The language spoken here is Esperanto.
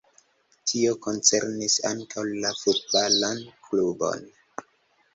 Tio koncernis ankaŭ la futbalan klubon.